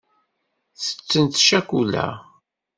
Tettent ccakula.